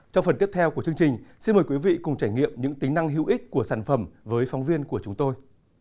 trong phần tiếp theo của chương trình xin mời quý vị cùng trải nghiệm những tính năng hữu ích của sản phẩm với phóng viên của chúng tôi